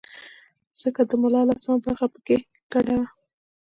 ځکه د ملا لسمه برخه په کې ګډه وه.